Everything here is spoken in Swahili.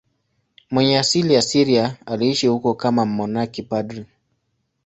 Mwenye asili ya Syria, aliishi huko kama mmonaki padri.